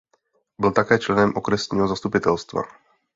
Byl taky členem okresního zastupitelstva.